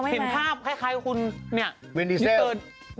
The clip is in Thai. เห็นภาพคล้ายของคุณนี่นิดเดิม